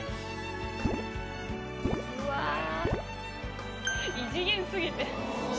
うわ異次元すぎて。